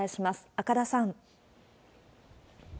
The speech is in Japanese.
赤田さん。